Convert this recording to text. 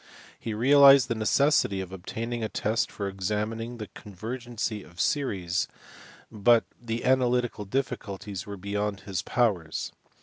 He realized the necessity of obtaining a test for examining the convergency of series, but the analytical difficulties were beyond his powers.